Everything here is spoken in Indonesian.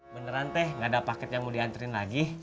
beneran teh gak ada paket yang mau diantarin lagi